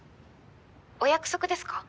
お約束ですか？